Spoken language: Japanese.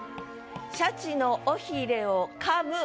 「シャチの尾ひれを噛む」